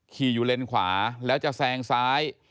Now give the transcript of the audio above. ขี่อยู่เลนขวาแล้วจะแซงซ้าย